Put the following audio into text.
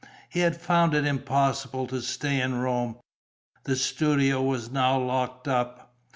He had found it impossible to stay in Rome; the studio was now locked up.